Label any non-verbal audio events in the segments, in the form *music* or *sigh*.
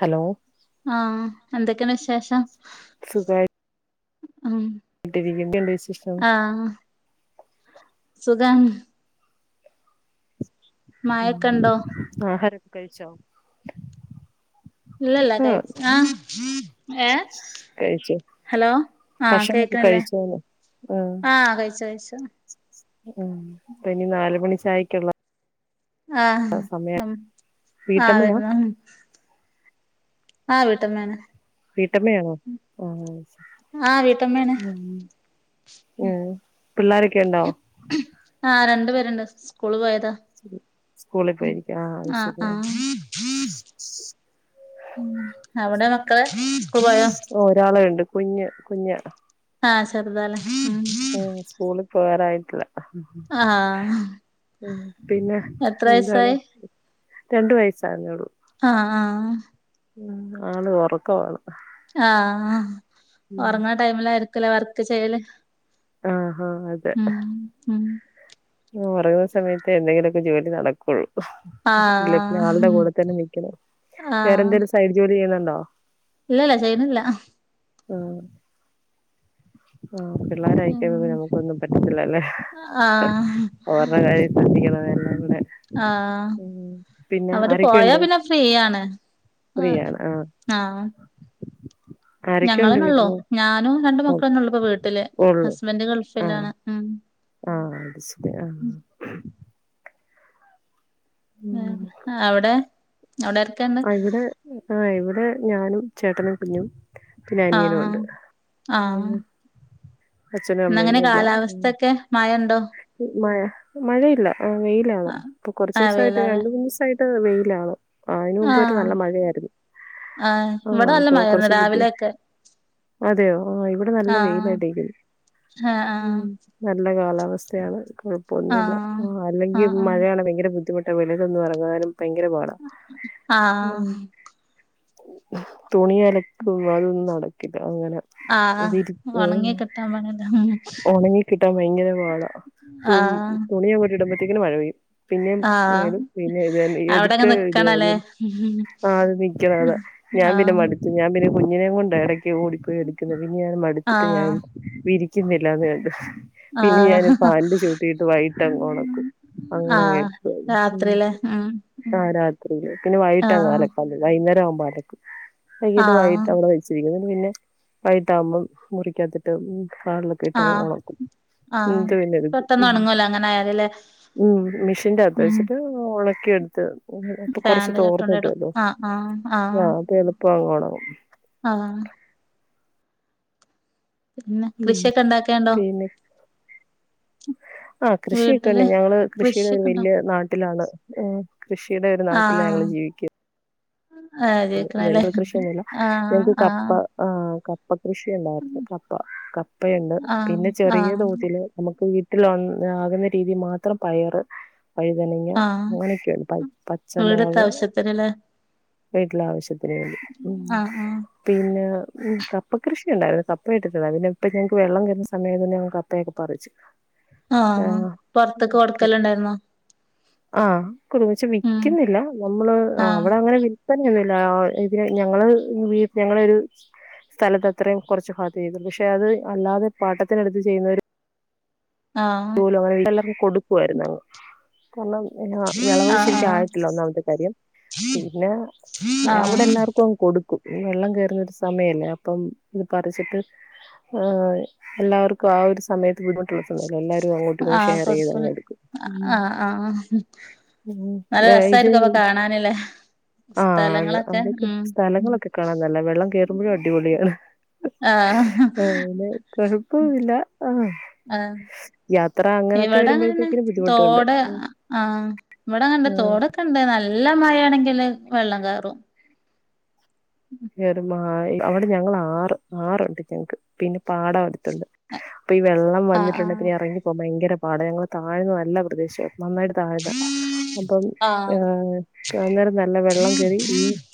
Hello. ആ എന്തൊക്കെണ്ട് വിശേഷം? സുഖായിട്ട് ഉം വിശേഷം ആ സുഖം മഴൊക്കെ ഉണ്ടോ ആഹാരൊക്കെ കഴിച്ചോ ലല്ല ആഹ് കയിച്ചു ആ ഏ കഴിച്ചു ഹലോ ആ ഭക്ഷണൊക്കെ കേക്കണില്ലേ കഴിച്ചോന്ന് ആ കഴിച്ചു കഴിച്ചു *unintelligible* ഉം അപ്പ ഇനി നാലു മണി ചായക്കുള്ള ആ ആ വീട്ടമ്മയാ വരുന്ന ആ വീട്ടമ്മയാണ് വീട്ടമ്മയാണോ ആ ആഹ് വീട്ടമ്മയാണ് ഉം പിള്ളോരൊക്കെ ഉണ്ടോ ആ രണ്ടു പേരുണ്ട് സ്കൂള് പോയ് സ്കൂളിൽ പോയിരിക്കും ആഹ് അത് ആ ആ ശരിയാ ഉം അവിടെ മക്കള് സ്കൂൾ പോയോ ഒരാള് ഉണ്ട് കുഞ്ഞ് കുഞ്ഞാ ആ ചെറുതാല്ലേ പേറായിട്ടില്ല ആ പിന്നെ എന്താണ് രണ്ട് വയസാവു ന്നയുള്ളൂ ആ ആ *unintelligible* ആള് ഉറക്കാണ് ആഹ ഉറങ്ങ് ണ ടൈമില ആയിരിക്കലേ വർക്ക് ചെയ്യല് ആഹഹ അതെ ഉം ഉം ഒറങ്ങണ സമയത്ത് എന്തെങ്കിലുമൊക്കെ ജോലി നടക്കുള്ളൂ ല്ലന്നെ ആളുടെ ആഹ് കൂടെ തന്നെ നിക്കുണു ആഹ് വേറെന്തേലും സൈഡ് ജോലി ചെയ്യുന്നുണ്ടോ ഇല്ലല്ല ചെയ്യണില്ല ആ ആ പിള്ളേര ഉം അയക്കാൻ നമുക്കൊന്നും പറ്റത്തില്ലല്ലേ ആഹ് *unintelligible* കാര്യം ശ്രദ്ധിക്കണ കാര്യം ആ പിന്നെ അവര് പോയാ ആരൊക്കെയുണ്ട്? പിന്നെ ഫ്രീയാണ് ആ ഫ്രീയാണ് ആഹ് ആ ആരൊക്കെയുണ്ട് ഞങ്ങളന്നള്ളോ വീട്ടില്? ഞാനും രണ്ട് മക്കളന്നള്ളപ്പോ വീട്ടില് ഒള്ളൂ ഹസ്ബന്ഡ് ഗൾഫിലാണ് ഉ ആഅത് ശരി ആ ആ ഉം അവിടെ അവിടെ ആരൊക്കെണ്ട് ഇവിടെ ആഹ് ഇവിടെ ഞാനും ചേട്ടനും കുഞ്ഞും പിന്നെ ആഹ് അനിയനുണ്ട് ഇന്ന് എങ്ങനെ കാലാവസ്ഥൊക്കെ മഴണ്ടോ മഴ മഴയില്ല ആ വെയിലാണ് ഇപ്പൊ കുറച്ച് ആഹ് ദിവസമായിട്ട് വെയിലാല്ലേ രണ്ട മൂന്ന് ദിവസായിട്ട് വെയിലാണോ ആ അതിന് മുമ്പായിട്ട് ആഹ് നല്ല മഴയായിരുന്നു ആഹ് ആഹ ഇവിടെ നല്ല അപ്പൊ മഴായിരുന്നു കുറച്ച രാവിലെയൊക്കെ *unintelligible* അതെയോ ആ ഇവിടെ നല്ല വെയിലാ ആഹ് ഉ ആഹ് നല്ല കാലാ യാണ് കുഴപ്പമൊന്നുമില്ല ആഹ് ആഹ് അല്ലെങ്കിൽ ആഹ് മഴയാണ് ഭയങ്കര ബുദ്ധിമുട്ട് വെളിയിലൊന്നും ഇറങ്ങുവാനും ഭയങ്കര *unintelligible* ഉം ആഹ് തുണി അലക്കും അതൊന്നും നടക്കില്ല അങ്ങനെ ആഹ് *unintelligible* ആഹ് ഒണങ്ങി കിട്ടാൻ പണില്ല ഉണങ്ങി കിട്ട ട്ട ഭയങ്കര വാള ആഹ് തുണിയ ങ്ങോട്ട് ഇടുമ്പഴത്തേക്കിന് മഴ പെയ്യും പിന്നെ ആഹ് പിന്നെ ഇ എടുക്ക അവിടെങ്ങ് ഇട നിക്കണല്ലേ ആ അത് *unintelligible* അതാ ഞാൻ പിന്നെ ആഹ് മടിച്ചു ഞാ പിന്നെ കുഞ്ഞിനെ കൊണ്ട് ഇടക്ക് ഓടിപ്പോയി എടുക്കുന്നത് പിന്ന ഞാനും മടുത്തിട്ട് ഞാൻ ആഹ് വിരിക്കുന്നില്ലന്ന് കണ്ട ആഹ് ഹ്ഹാ അതിൻ്റെ ചോട്ടിയിട്ട് വൈകിട്ടങ്ങ് ഒണക്കും ആഹ് അങ്ങനെങ്ങടുക് രാത്രില്ലേ ഉം ഉം ആ് രാത്രി പിന്നെ ആഹ് വൈകട്ടങ്ങാലൊക്കാ *unintelligible* ന്നേരാകുംബം അലക്കും ആഹ് *unintelligible* വെച്ചിരിക്ക്ണ് പിന്നെ വൈട്ടാകുമ്പം മുറിക്കാത്തിട്ട് ഹാളിലക്കെ ഇട്ട്ങ്ങ് ആഹ് ഉണക്കും ആഹ് പിന്നെ എടുക്കും പെട്ടെന്ന് ഉം ഒണങ്ങൂല അങ്ങനെ ആയാല് ല്ലേ ഉ മെഷീന്റെ അകത്ത് ഉം വെച്ചിട്ട് ഉണക്കി എടുത്ത് അപ്പൊ കൊറച്ച് ഫാന്റെ ചോട്ടോണ്ടിടും തോർന്നിട്ടുവല്ലോ ആഹ് ആഹ് ആഹ് അപ്പ എളുപ്പ ആവണം ആഹ് പിന്നെ ഉം കൃഷിയൊക്കെ ഇണ്ടാക്കേണ്ടോ പിന്നെ ആ കൃഷിയൊക്കെണ്ട് ഞങ്ങള് കൃഷിയുടെ ഒരു കൃഷിയൊക്കെണ്ടോ വലിയ നാട്ടിലാണ് ഏ കൃഷിയുടെ ഒരു നാട്ടില ആഹ് ഞങ്ങള് ജീവിക്ക ആഹ് ജയിക്കണല്ലേ ങ്ങക്ക് കൃഷിയൊന്നല്ല ആഹ് ഞങ്ങക്ക് കപ്പ ആഹ് ആ ക കൃഷിയ ഉണ്ടായിരുന്നു കപ്പ കപ്പയുണ്ട് ആഹ് പിന്നെ ചെറിയ ആഹ് തോതിൽ നമുക്ക് വീട്ടിൽ *unintelligible* ആകുന്ന രീതിൽ മാത്രം പയറ് വഴുതനങ്ങ ആഹ് അങ്ങനെയൊക്കെയുണ്ട് പ വീടത്തെ പച്ചമുളക് ആവശ്യത്തിനല്ലേ വീട്ടിലെ ആവശ്യത്തിന് വേണ്ടി ആഹ് ആഹ് *inaudible* പിന്നെ ഉ കപ്പ കൃഷിയുണ്ടായിരുന്നു കപ്പ ഇട്ടിട്ടുണ്ട പിന്നെപ്പ ഞങ്ങൾക്ക് വെള്ളം തേറുന്ന സമയത്ത് തന്നെ കപ്പയൊക്കെ പറിച്ചു ആഹ പൊറത്തൊക്കെ കൊടക്കല്ണ്ടായിരുന്നോ ആ കു *unintelligible* വിൽക്കുന്നില്ല നമ്മള് ആഹ് അവിടെ അങ്ങനെ വിൽ ന്നൊന്നുമല്ല *unintelligible* ഞങ്ങള് ഞങ്ങളരു സ്ഥലത്ത് അത്രയും കുറച്ച ഭാഗത് ചെയ്തു പക്ഷെ അത് അല്ലാതെ പാട്ടത്തിനടുത്ത് ചെയ്യുന്ന ഒരു ആഹ് *inaudible* കൊടുക്കുായിരുന്നു അങ്ങ് കാരണം വിളവ് ആഹ് ശരിക്കും ആയിട്ടില്ല ഒന്നാമത്തെ കാര്യം പിന്നെ ആഹ് അവിടെ ആഹ് എല്ലാർക്കുംഅ ങ്ങ് കൊടുക്കും വെള്ളം കേയറുന്ന സമയല്ലേ അപ്പം ഇത് പറിച്ചിട്ട് ആ എല്ലാവർക്കും ആ ഒരു സമയത്ത് ബുദ്ധിമുട്ട് എല്ലാരും അങ്ങോട്ടി ങ്ങോട്ട് ആഹ് ഷെയർ കൊടുക്കൂലേ ചെയ്തങ്ങെടുക്കും ആഹ് ആഹ് നല്ല ഉ ഇത് രസായിരിക്കും അപ്പൊ കാണാനില്ലേ ആഹ് അത് സ്ഥലങ്ങളൊക്കെ അതൊക്കെ ഉം സ്ഥലങ്ങളൊക്കെ കാണാനു ന ല്ലത വെള്ളം കയറുമ്പോഴും അടിപൊളിയാണ് ആപി ന്നെ കൊഴപ്പമി ആഹ് ല്ല ആഹ ആഹ് ഇവിടെങ്ങെനെ വരുമ്പോഴത്തേക്കിനും ബുദ്ധിമുട്ടുണ്ട് തോട് ആഹ് ഇവിടെഅ നെ തോടൊ ക്കെഒണ്ടാരുന്നു നല്ല നല്ല മഴയാണെങ്കില് വെള്ളം കയറും കേറുമ്പോൾ അവിടെ ഞങ്ങൾ ആറ് ആറുണ്ട് ഞങ്ങക്ക് പിന്നെ പാട മുണ്ട് ണ്ട് അപ്പൊ ഈ വെള്ളം വന്നിട്ടുണ്ടെ ആഹ് പിന്നെ ഇറങ്ങിപ്പോകാൻ ഭയങ്കര പാടാണ് ഞങ്ങടെ താഴ്ന്ന നല്ല പ്രദേശമാ നന്നായിട്ട് താഴ്ന്ന അപ്പം ആഹ് അന്നേരം നല്ല വെള്ളംകയറി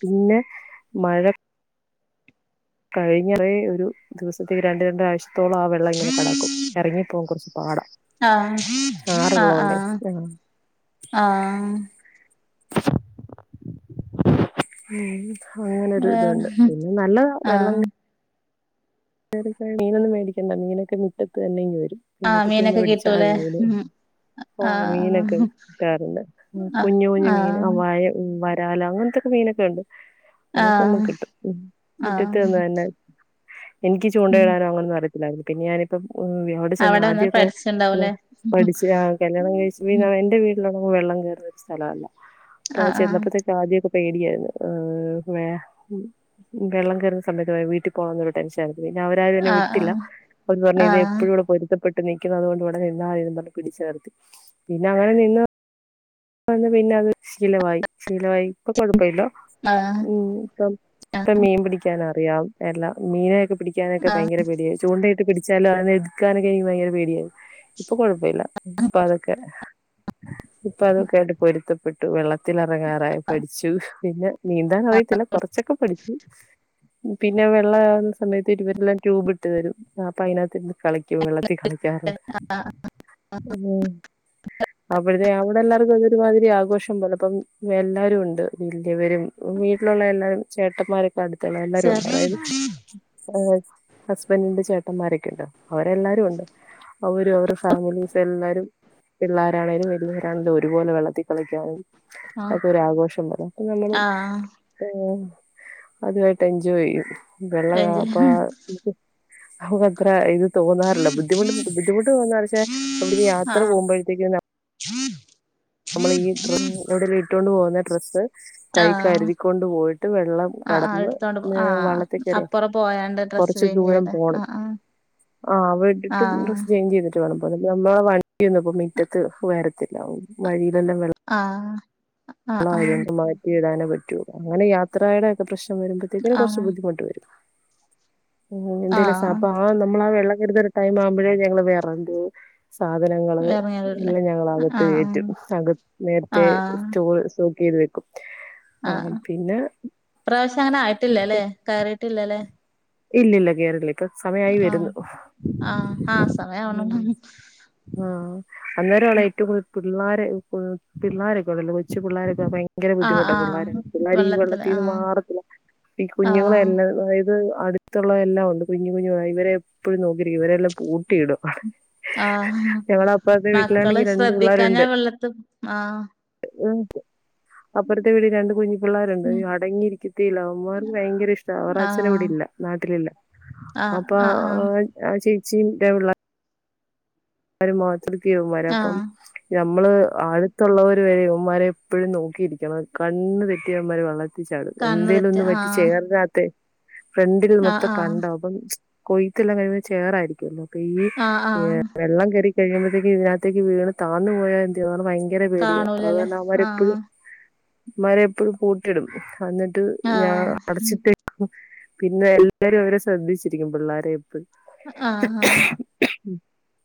പിന്നെ മഴ കഴിഞ്ഞ ഒരു ദിവസത്തേക്ക് രണ്ട്‌ രണ്ടാഴ്ചത്തോളം ആ വെള്ളം ഇങ്ങനെകി ടക്കും ഇറങ്ങിപ്പോകൻ കുറച്ച് പാടാ ആഹ് ആഹ് ആഹ് ആറുള്ളോണ്ടേ ആഹ് ഉം അങ്ങനെ ഒരു വേറെ ഇതുണ്ട് പിന്നെ നല്ലതാ വെള്ളം ആഹ് മീനൊന്നും മേടിക്കണ്ട മീനൊക്കെ മിറ്റത്ത് വരും ആഹ് മുറ്റത്ത് നിന്ന് മീനൊക്കെ പിടിച്ച കിട്ടൂലേ മീനെ ഉം ഓ മീനൊക്കെ ആഹ് കിട്ടാറുണ്ട് ആഹ് കുഞ്ഞു കുഞ്ഞു മീൻ ആ ആഹ് വായ വരാല അങ്ങനത്തൊക്കെ മീനൊക്കെ ഉണ്ട് അതൊക്കെ നമുക്ക് ആഹ് കിട്ടും ആഹ് മുറ്റത്ത്ന്ന് തന്നെ എനിക്ക് ഉം ചൂണ്ടയിടാനോ അങ്ങനൊന്നും അറിയില്ലായിരുന്നു പിന്ന ഞാനിപ്പം ഉ അവിടെ ചെന്ന് നിന്ന് ആദ്യൊക്കെ പഠിച്ചിണ്ടാവൂലേ പഠിച്ച് കല്യാണം കഴിച്ച് എന്റെ വീട്ടില വെള്ളം കയറുന്ന സ്ഥലല്ല അപ്പൊ ആഹ് ആഹ് ചെന്നപ്പോഴത്തക്ക ആദ്യമൊക്കെ പേടിയായിരുന്നു വെള്ളം കയറുന്ന സമയത്ത് വീട്ടിൽ പോ കാൻ ഒരു ടെൻഷൻ പിന്നെ അവരാരും എന്നെ ആഹ് വിട്ടില്ല അവരു പറഞ്ഞഞ് ആഹ് ഇത് ആഹ് എപ്പോഴും ഇവിടെ പൊരുത്തപ്പെടണമെന്ന് ട് നിക്കു ന്നതു കൊണ്ട് ഇവിടെ നിന്ന മതിയെന്ന് പറഞ്ഞു പിടിചു നി ർത്തി പിന്നെ അങ്ങനെ നിന്ന പിന്നെ അത് ശീലവായി ശീലവായി ഇപ്പൊ കൊഴപ്പമില്ല ആഹ് ഉ ഇപ്പം ഇപ്പ മീൻ പിടിക്കാനും അറിയാം എല്ലാ മീനൊക്കെ പിടിക്കാനൊക്കെ ആഹ് ഭയങ്കര പേടിയ ചൂണ്ട പിടിച്ചാലോ അതിനെ എതുക്കാനൊക്കെ എനിക്ക് ഭയങ്കര പേടിയത് ഇപ്പൊ കൊഴപ്പമില്ല ഇപ്പൊ അതൊക്കെ അപ്പ അതൊക്കെയായിട്ട് പൊരുത്തപ്പെട്ടു വെള്ള വെള്ളത്തിൽ ഇറ ങ്ങാനാ യി ആഹ് പഠിച്ചു പിന്നെ നീന്താൻ അറിയത്തില്ല കുറച്ചൊക്കെ പഠിച്ചു പിന്നെ വെള്ള ആവു ന്ന സമയത്ത് ഇരുവരെല്ലാം ട്യൂബ് ഇട്ട് തരും അപ്പോ അതിനകത്ത് കളിക്കും വെള്ളത്തി കളിക്കാറുണ്ട് ഉ അപ്പോഴത്തെേ അ എല്ലർക്കും അതൊ ഒരുമാതിരി ആഘോഷം പോലപ്പം എല്ലാവരും ഉണ്ട് വലിയവരും വീട്ടിലുള്ള എല്ലാരും ചേട്ടന്മാരൊക്കെ ഒണ്ടു എല്ലാരുമുണ്ട് അതായത് ചേർക്ക ഹസ്ബൻഡിന്റെ ചേട്ടന്മാരൊക്കെ ഉണ്ടോ അവരെല്ലാവരുും ഉണ്ട് അവര അവരു ഫാമിലീസ് എല്ലാരും പിള്ളേരണേങ്കിലും വലിയ രണ്ടും ഒരുപോലെ വെള്ളത്തി കളിക്കാൻ ആ അതൊ രു ആഘോഷം പോല അപ്പൊ നമ്മള് ആ അതുമായിട്ട് എൻജോയ് ചെയ്യും വെള്ള റേഞ്ച് കാപ്പ ആത്ര ഇ തോന്നാറില്ല ബുദ്ധിമുട്ട് ബുദ്ധിമുട്ട് തോന്നെ എവിടെ യാത്ര പോകുമ്പോഴത്തേക്ക് ഹൂ നമ്മൾ ഈ ഡ്രസ് ഇട്ടുകൊണ്ട് പോകുന്ന ഡ്രസ്സ് കൈ ആ കരുതി കൊൊണ്ട് പോയിട്ട് വെള്ളം ആ ആ കടന് എടുത്തോണ്ട് പോ ആ വള്ളത്തേക്കറിയാം അപ്പുറം പോയാണ്ട് ഡ്രസ്സ് കുറച്ച് ചേഞ്ച് ദൂരം ചെയ്ത് ആ പോണം ആ ആ ആ അവിടെട്ടിട്ട് ഡ്രസ്സ് ചേഞ്ച് ചെയ്തിട്ട് വേണം നമ്മളെ വണ്ടിയൊന്നും പ്പൊ മിറ്റത്ത് വരത്തില്ല വഴി ആ ആ പ്പൊ മാറ്റിയിടാനേ പറ്റു അങ്ങനെ ഈ യാത്രയുടെ ഒക്കെ പ്രശ്ന വരുമ്പത്തേക്കിന് ആ ആ കൊർച്ച് ബുദ്ധിമുട്ട് വരും ഉ ആ എന്തേലും സഭ ആ നമ്മളാ വെള്ള കരുതരു ടൈം ആവുമ്പോഴേ ഞങ്ങള്ൾ വേറെണ്ട് സാധനങ്ങള് ഇറങ്ങിയതല്ലേ എല്ലാം ഞങ്ങള ആ അകത്ത് ആ കേറ്റും അക ആ നേരത്തെ സോക്കയിതു വെക്കും ആ പിന്നെ ആഹ്ഇപ്രാവശ്യം അങ്ങനെ ആയിട്ടില്ലല്ലേ കേറിട്ടില്ലല്ലേ ഇല്ലില്ല കേറില്ല സമയായി വരുന്നു ആ ആ സമയം ആവണുള്ളൂ ആ അന്നേരാണ് ഏറ്റവും കൂടുതൽ പിള്ളാരെ പിള്ളാര് ഒക്കെണ്ടല്ലോ കൊച്ചുപുള്ളരൊക്കെ അപ്പൊ ഐ ഭയങ്കര ആ ആ ബുദ്ധിമുട്ടാ പിള്ളേർ പിള്ളേർ ഈ വെള്ളത്തില് ആ വെള്ളത്തീന്ന് മാറത്തില്ല ഈ കുഞ്ഞുങ്ങളെ ആ എല്ലാം അത് അടുത്തുള്ള എല്ലാം ഉണ്ട് കുഞ്ഞു കുഞ്ഞു ഇവരെ എപ്പോഴും നോക്കിയിരിക്കും ഇവരെല്ലാം പൂട്ടി ഇടും ആഹ് മക്കള് വീട്ടിലാണെങ്കി രണ്ട് ശ്രദ്ധിക്കാഞ്ഞാ വെള്ളത്ത് ആ ഉം അപ്പറത്തെ വീടിൽ രണ്ട് കുഞ്ഞ് പിള്ളാരുണ്ട് ഉം അടങ്ങിയിരിക്കത്തില്ല. അവരെ ഭയങ്കര ഇഷ്ട്ടാ അവരെ അച്ഛന് ആഹ് വിടെ ഇല്ല. നാട്ടിലില്ല ആഹ് അപ്പൊ ആഹ് ആഹ് ആ ചേച്ചിന്റെ പിള്ളാ ആ മാത്രമാര അപ്പം ആഹ് *unintelligible* നമ്മള് അടുത്തുള്ളവര് വരെവന്മാരെ എപ്പോഴും നോക്കിയിരിക്കണം കണ്ണ് തെറ്റിയ ഇവന്മാര് വള്ളതി എത്തിച്ച കണ്ണ് എന്തേലും തെറ്റ ഒന്നു പറ്റി ആഹ് ചേറിനകത്തെ ഫ്രണ്ടിൽ ആഹ് മൊത്തം കണ്ടാ അപ്പം കൊയ്ത്തെല്ലാം കഴിയ ചേറായിരിക്കുല്ലോ അപ്പൊ ഈ ആഹ് ആഹ് ഏ ആഹ് കേറി കഴിയുമ്പഴത്തേക്ക് ഇതിനകത്തേക്ക് വീണ് താന്ന് പോയാ എന്ത്‌യ്യും ഭയങ്കര പേടിയ അത് കാണൂലല്ലേ തന്നെ അവമ്മാര് ആഹ് എപ്പഴും മരെ എപ്പോഴും പൂട്ടിയിടും എന്നിട്ട് ഞാ ആഹ് അടച്ചിട്ടേ പിന്നെ എല്ലാരും അവരെ ശ്രദ്ധിച്ചിരിക്കും പിള്ളേരെ എപ്പഴും ആ ആ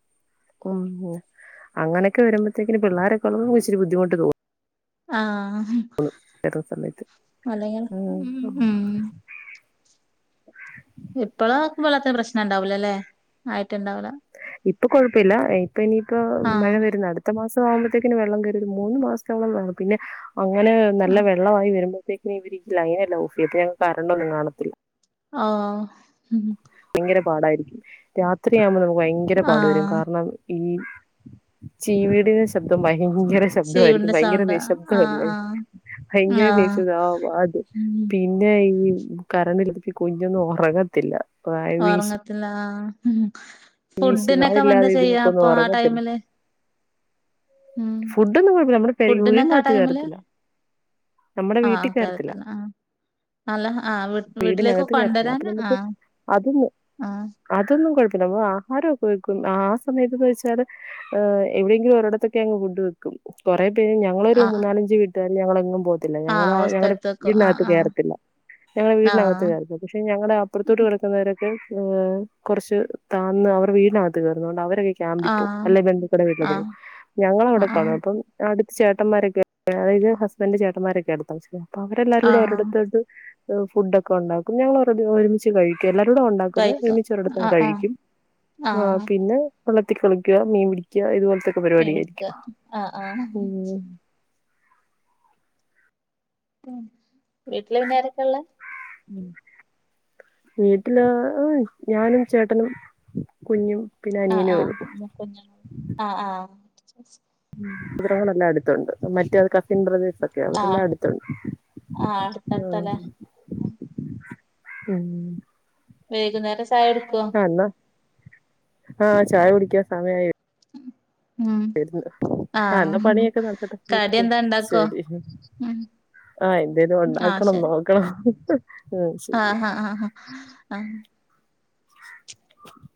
*inaudible* ഉംഉം അങ്ങനൊക്കെ വരുമ്പഴത്തേക്കിന് പിള്ളാരൊക്കെ ഉള്ള ഇച്ചിരി ബുദ്ധിമുട്ട് തോന്നും ആ ചില സമയത്ത് അല്ലെങ്കിൽ ഉം ഉം ഇപ്പളാ വെള്ളത് പ്രശ്നം ഇണ്ടാവൂലല്ലേ ആയിട്ട്ണ്ടാവൂല ഇപ്പൊ കൊഴപ്പല്ല ഇപ്പൊ ഇനിയിപ്പോ മഴ ആഹ് വരുന്ന അടുത്ത മാസം ആുമ്പോഴത്തേക്കിന് വെള്ളം കരുത് മൂന്ന് മാസത്തോളം വേ പിന്നെ അങ്ങനെ നല്ല ആഹ് വെള്ളമായി വരുമ്പോ വര് ലൈനെല്ലാം ഓഫീത് ഞങ്ങക്ക് കരണ്ടൊന്നും കാണത്തില്ല ആ ഭയങ്കര പാടായിരിക്കും രാത്രിയാവുമ്പോ നമുക്ക് ഭയങ്കര പാടു വരും ആഹ് കാരണം ഈ ചീവീടി ശബ്ദം ഭയങ്കര ശബ്ദമായിരിക്കും ചീവ്ന്റെ ഭയങ്കര സൗണ്ട് നിശബ്ദ ആഹ് അല്ലേ ആഹ് ഭയങ്കര ആഹ് ദേഷ്യ ആവു ആത് ഉം പിന്നെ ഈ കരണ്ടില്ലെങ്കി കുഞ്ഞൊന്നും ഒറങ്ങത്തില്ല ഓറങ്ങത്തില്ല ആ വീശി ഫുഡിനൊക്കെ നാരില്ലാതെ എന്താ ചെയ്യാ ഇതിങ്ങക്കൊന്നും അപ്പൊ ആ ഉറങ്ങത്തില്ല ടൈമില് ഉം ഫുഡ് ഒന്നും കുഴപ്പല്ല. നമ്മുടെ പെര് ഫുഡിനൊക്കെ ആ വീടിനകത്ത് ടൈമില് കയറത്തില്ല നമ്മുടെ ആഹ് വീട്ടിൽ കേരത്തില്ല കേരളത്തില് ആഹ് അല്ല ആഹ് വീ വീട്ടിലേക്ക് വീടിനകത്ത് കേറത്തില്ല അപ്പൊ കൊണ്ടരാൻ നമുക്ക് ആഹ് അതൊന്ന് ആഹ് അതൊന്നും കുഴപ്പ ന ആഹാരംക്കെക്കും ആ സമയത്ത്ന്ന് വെച്ചാൽ് എവിടെയെങ്കിലും ഒരിടത്ത ങ് ഫുഡ് വെക്കും കൊറേപേര് ഞങ്ങളൊരു ആഹ് മൂന്നാലഞ്ചു വീട്ട്കാര് ഞങ്ങളെങ്ങും പോവ ഞങ്ങളെ ആഹ് ആ ഓ ഞങ്ങളടെ സ്ഥലത്തേക്കും ആഹ് വീടിനകത്ത് കേറത്തില്ല ഞങ്ങളെ വീടിനകത്ത് ആഹ് കേറികാ പക്ഷെ ഞങ്ങളെ അപ്പുറത്തോട്ട് വീട് വെക്കുന്നവര് ഏ കുറച്ച് താന്ന അവർ വീടിനകത്ത് കേറുന്നത്കൊണ്ട് അവ അല്ലെങ്കി ക്യാമ്പിപ്പോവു ആഹ് അല്ലെങ്കി ബന്ധുക്കടെ ആഹ് വീട്ടിലൊക്കെപോവും ആഹ് ഞങ്ങളവടെ ആഹ് കാണും അപ്പം അടുത്ത ചേട്ടന്മാരൊക്കെ അതായത് ഹസ്ബൻഡ് ചേട്ടന്മാരൊക്കെ അടുത്താ *unintelligible* അപ്പൊ ആഹ് അവരെല്ലാരൂടെ ഒരിടട് ആഹ് ത്തേത് ഫുഡൊക്കെ ഉണ്ടാക്കും ഞങ്ങൾ ഒരുമിച്ച് കഴിക്കും എല്ലാരൂടേ ഉണ്ടാക്കുന്ന് കഴിക്കും ഒരുമിച്ചരിടത്തം ആഹ് ആഹ് കഴിക്കും ആ ആഹ് പിന്നെ വള്ളത്തി കളിക്ക മീൻ പിടിക്ക ഇതുപോലത്തൊക്കെ പരിപാടിയായി ആ ആഹ് ഉം വീട്ടില് പിന്നാരൊക്കെ ഉള്ളേ വീട്ടില് ഞാനും ചേട്ടനും കുഞ്ഞും പിന്നെ ആ അനിയനേ ആഹ് ഉള്ളൂ ഞ്ഞ ആഹ് ആ ബ്രദറുകളല്ലാ അടുത്തുണ്ട് മറ്റേ കസിൻ ബ്രദേ ഓക്കെ ആഹ് അവരെല്ല അടുത്തുണ്ട് ആഹ് ആ അടുത്തടുത്തല്ലേ ആ ഉം വൈകുന്നേരം ചായ കുട്ക്കോ? ആ എന്നാ ആ ചായ കുടിക്കാൻ സമയായി ഉം *unintelligible* ആ എന്നാ ആഹ് പണിയൊക്കെ നടക്കട്ടെ കടി എന്താ ഇണ്ടാക്കോ? ശരി ഉം ആ എന്തേലും ആഹ് ഉണ്ടാക്കണം ശരി നോക്കണം ഉം ശരി ആഹ് ആഹ് ആഹ് ആ ആഹ് *inaudible*